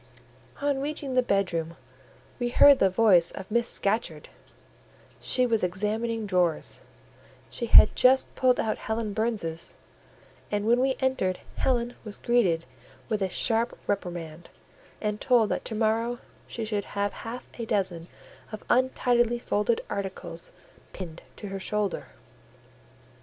On reaching the bedroom, we heard the voice of Miss Scatcherd: she was examining drawers; she had just pulled out Helen Burns's, and when we entered Helen was greeted with a sharp reprimand, and told that to morrow she should have half a dozen of untidily folded articles pinned to her shoulder.